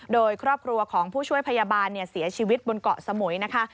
โดยครอบครัวของผู้ช่วยพยาบาลเสียชีวิตบนเกาะสมุยนะคะ